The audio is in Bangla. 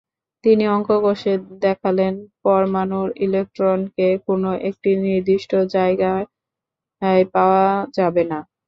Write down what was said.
তিনি অঙ্ক কষে দেখালেন, পরমাণুর ইলেকট্রনকে কোনো একটি নির্দিষ্ট জায়গায় পাওয়া যাবে না।